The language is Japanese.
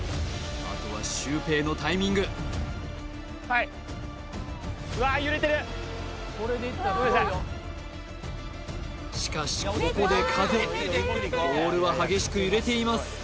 あとはシュウペイのタイミングはいしかしここで風ボールは激しく揺れています